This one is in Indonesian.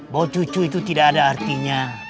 bahwa cucu itu tidak ada artinya